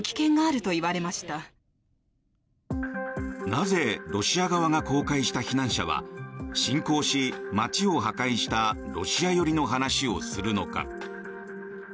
なぜロシア側が公開した避難者は侵攻し、街を破壊したロシア寄りの話をするのか。